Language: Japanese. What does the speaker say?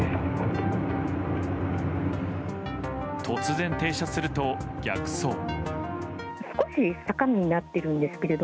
突然停車すると、逆走。